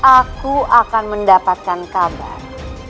aku akan mendapatkan kabar